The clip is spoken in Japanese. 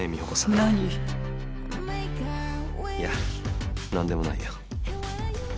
いや何でもないよ。